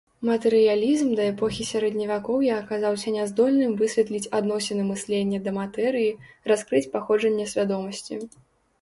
Матэрыялізм да эпохі сярэдневякоўя аказаўся няздольным высветліць адносіны мыслення да матэрыі, раскрыць паходжанне свядомасці.